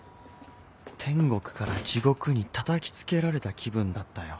天国から地獄にたたきつけられた気分だったよ。